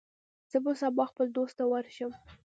زه به سبا خپل دوست ته ورشم.